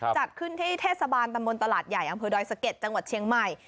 จัดขึ้นที่เทศบาลตำบลตลาดใหญ่อำเภอดอยสะเก็ดจังหวัดเชียงใหม่